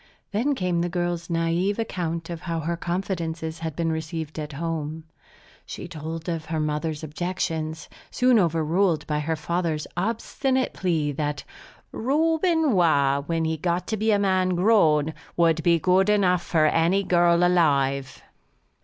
Then came the girl's naïve account of how her confidences had been received at home. She told of her mother's objections, soon overruled by her father's obstinate plea that "Reuben Waugh, when he got to be a man grown, would be good enough for any girl alive."